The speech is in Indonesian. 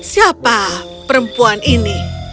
siapa perempuan ini